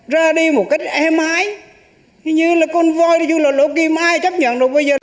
ra đi một cách êm ái như là con voi đi chung là lộ kìm ai chấp nhận được bây giờ